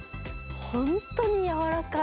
本当に柔らかい。